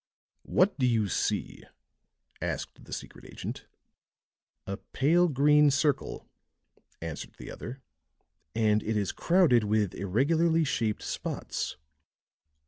"What do you see?" asked the secret agent. "A pale green circle," answered the other, "and it is crowded with irregularly shaped spots."